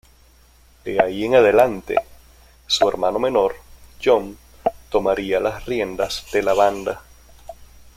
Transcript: De ahí en adelante, su hermano menor, John, tomaría las riendas de la banda.